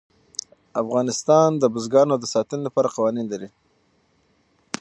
افغانستان د بزګانو د ساتنې لپاره قوانین لري.